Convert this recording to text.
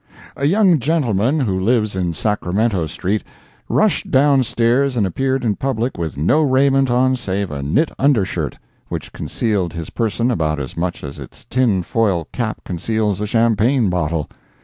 A young gentleman who lives in Sacramento street, rushed down stairs and appeared in public with no raiment on save a knit undershirt, which concealed his person about as much as its tin foil cap conceals a champagne bottle.